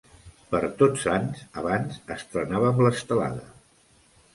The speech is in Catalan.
Per Tots Sants abans estrenàvem l'estelada.